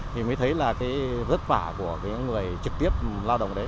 thì mới thấy là cái vất vả của cái người trực tiếp lao động đấy